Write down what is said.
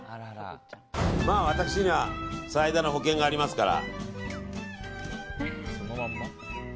私には最大の保険がありますから。